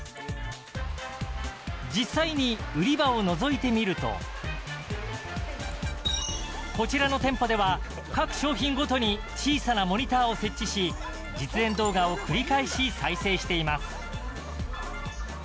実際に売り場をのぞいてみるとこちらの店舗では各商品ごとに小さなモニターを設置し実演動画を繰り返し再生しています。